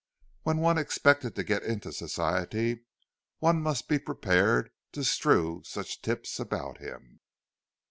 When one expected to get into Society, one must be prepared to strew such tips about him.